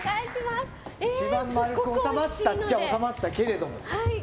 一番丸く収まったっちゃ収まったけれども。